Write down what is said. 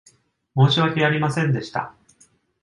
申し訳ありませんでした。